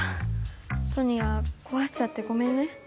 ソニアこわしちゃってごめんね。